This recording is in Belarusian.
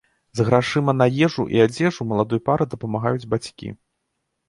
З грашыма на ежу і адзежу маладой пары дапамагаюць бацькі.